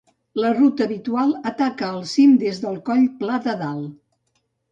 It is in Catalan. La ruta habitual ataca el cim des del Coll Pla de Dalt.